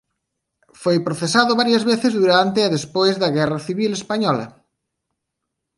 Foi procesado varias veces durante e despois da Guerra Civil española.